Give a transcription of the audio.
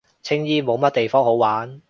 青衣冇乜地方好玩